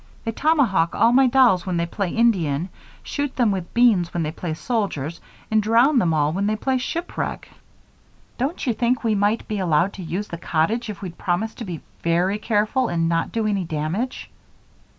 They tomahawk all my dolls when they play Indian, shoot them with beans when they play soldiers, and drown them all when they play shipwreck. Don't you think we might be allowed to use the cottage if we'd promise to be very careful and not do any damage?"